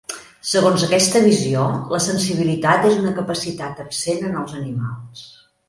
Segons aquesta visió, la sensibilitat és una capacitat absent en els animals.